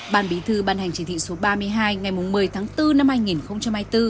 ban bí thư ban hành chỉ thị số ba mươi hai ngày một mươi tháng bốn năm hai nghìn hai mươi bốn